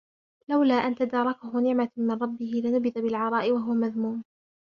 لولا أن تداركه نعمة من ربه لنبذ بالعراء وهو مذموم